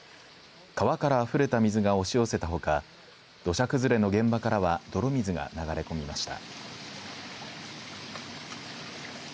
川からあふれた水が押し寄せたほか土砂崩れの現場からは泥水が流れ込みました。